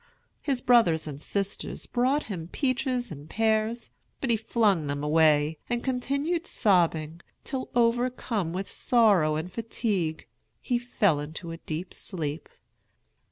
His brother and sisters brought him peaches and pears, but he flung them away, and continued sobbing, till, overcome with sorrow and fatigue, he fell into a deep sleep.